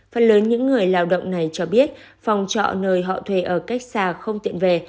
phần lớn những người lao động này cho biết phòng trọ nơi họ thuê ở cách xa không tiện về